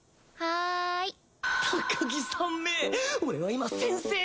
はい。